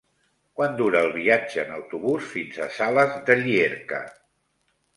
Quant dura el viatge en autobús fins a Sales de Llierca?